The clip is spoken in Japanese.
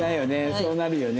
そうなるよね。